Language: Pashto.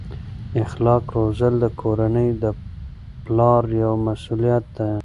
اخلاق روزل د کورنۍ د پلار یوه مسؤلیت ده.